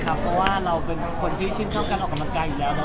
เราคืบชื่นช่องกันออกกำลังกายอยู่แล้ว